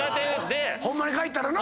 ホンマに帰ったらな。